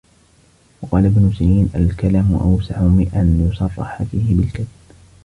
وَقَالَ ابْنُ سِيرِينَ الْكَلَامُ أَوْسَعُ مِنْ أَنْ يُصَرَّحَ فِيهِ بِالْكَذِبِ